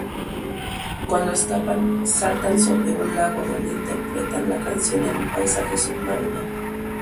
Cuando escapan, saltan sobre un lago donde interpretan la canción en un paisaje submarino.